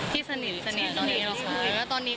ที่สนิทสนิทตอนนี้